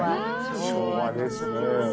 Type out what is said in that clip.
昭和ですね。